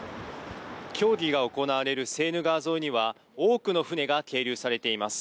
競技が行われるセーヌ川沿いには多くの船が係留されています。